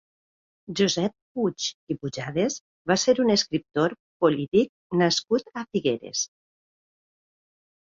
Josep Puig i Pujades va ser un escriptor i polític nascut a Figueres.